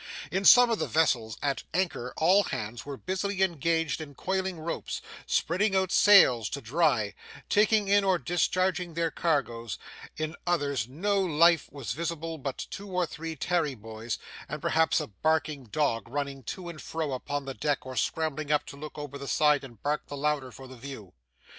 In some of the vessels at anchor all hands were busily engaged in coiling ropes, spreading out sails to dry, taking in or discharging their cargoes; in others no life was visible but two or three tarry boys, and perhaps a barking dog running to and fro upon the deck or scrambling up to look over the side and bark the louder for the view.